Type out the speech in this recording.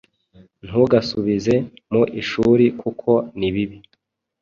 Ntugasubize mu ishuri kuko nibibi